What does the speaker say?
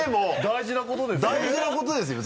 大事なことですよ！